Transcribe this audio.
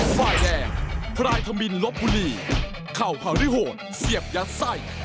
ฝ่ายแดงพลายธมินลบบุรีเข่าด้วยโหดเสียบยัดไส้